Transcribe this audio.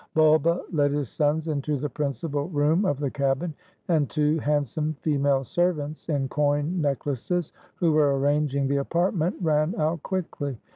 Bulba led his sons into the principal room of the cabin; and two handsome female servants in coin necklaces, who were arranging the apartment, ran out quickly.